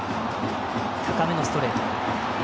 高めのストレート。